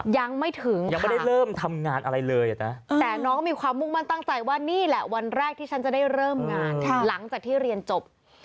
ยังไม่ถึงค่ะแต่น้องมีความมุ่งมั่นตั้งใจว่านี่แหละวันแรกที่ฉันจะได้เริ่มงานหลังจากที่เรียนจบ